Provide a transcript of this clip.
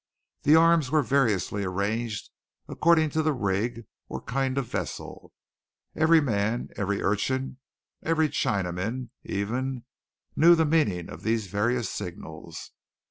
The arms were variously arranged according to the rig or kind of vessel. Every man, every urchin, every Chinaman, even, knew the meaning of these various signals.